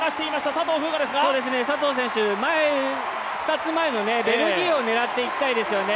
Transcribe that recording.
佐藤選手、２つ前のベルギーを狙っていきたいですよね。